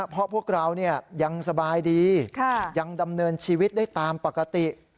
เพราะพวกเรายังสบายดียังดำเนินชีวิตได้ตามปกติ